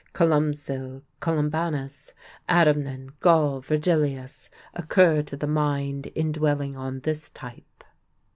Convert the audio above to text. Columcille, Columbanus, Adamnan, Gall, Virgilius occur to the mind in dwelling on this type.